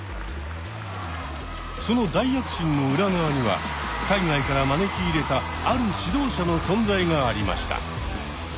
その大躍進の裏側には海外から招き入れたある指導者の存在がありました。